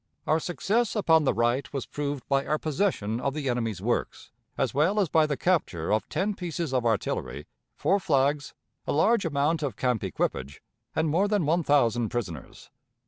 Our success upon the right was proved by our possession of the enemy's works, as well as by the capture of ten pieces of artillery, four flags, a large amount of camp equipage, and more than one thousand prisoners.